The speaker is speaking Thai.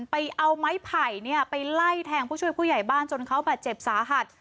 ไปเอาไม้ไผ่ไปไล่แทงผู้ช่วยผู้ใหญ่บ้านจนเขาบาดเจ็บสาหัส